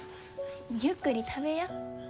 ゆっくり食べや。